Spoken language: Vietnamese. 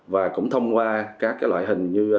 và cũng thông qua các loại hình như